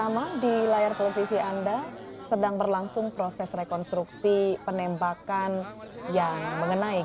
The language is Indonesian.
kita ketahui bahwa polisi ini